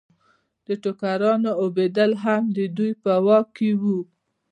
د ټوکرانو اوبدل هم د دوی په واک کې وو.